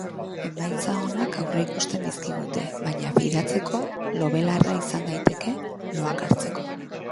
Emaitza onak aurreikusten dizkigute, baina fidatzeko lo-belarra izan daiteke, loak hartzeko.